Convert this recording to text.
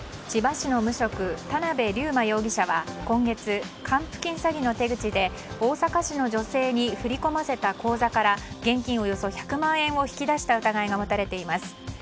千葉市の無職田辺龍茉容疑者は今月今月、還付金詐欺の手口で大阪市の女性に振り込ませた口座から現金およそ１００万円を引き出した疑いが持たれています。